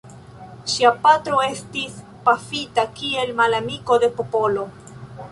Ŝia patro estis pafita kiel «malamiko de popolo».